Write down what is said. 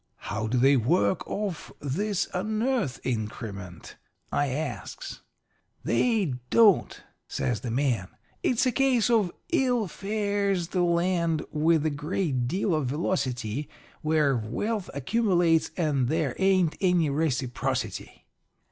"'How do they work off this unearth increment?' I asks. "'They don't,' says the man. 'It's a case of "Ill fares the land with the great deal of velocity where wealth accumulates and there ain't any reciprocity."'